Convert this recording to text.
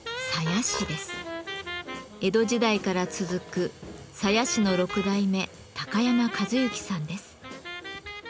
江戸時代から続く鞘師の６代目山一之さんです。